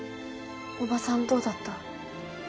おばさんどうだった？